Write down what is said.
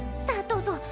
さあどうぞ！